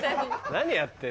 何やってんだよ？